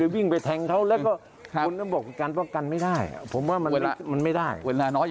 วิ่งไปแท็งเขาแล้วบริการบอกไม่ได้ผมว่ามันมันไม่ได้เวลาน้อย